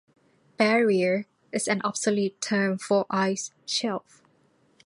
Barrier is an obsolete term for ice shelf.